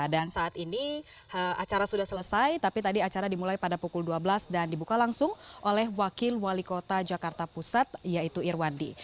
dan saat ini acara sudah selesai tapi tadi acara dimulai pada pukul dua belas dan dibuka langsung oleh wakil wali kota jakarta pusat yaitu irwandi